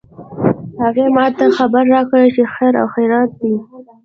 هغې ما ته خبر راکړ چې خیر او خیریت ده